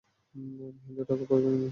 আমি হিন্দু ঠাকুর পরিবারের মেয়ে।